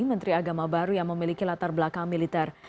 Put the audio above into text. menteri agama baru yang memiliki latar belakang militer